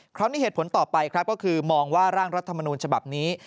คราวนี้เหตุผลต่อไปครับก็คือมองว่าร่างรัฐมนูลฉบับนี้